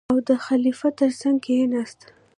او د خلیفه تر څنګ کېناست.